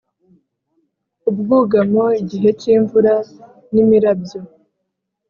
ubwugamo igihe cy’imvura n’imirabyo.